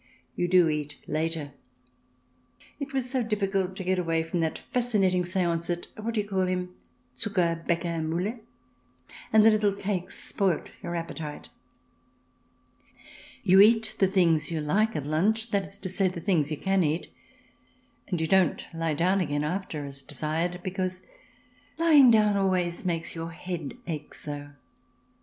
You do eat later ; it was so difficult to get away from that fasci nating seance at — what do you call him — Zucker bakker Muhle? — and the little cakes spoilt your appetite. You eat the things you like at lunch — that is to say, the things you can eat — and you don't lie down again after, as desired, because lying down always makes your head ache so.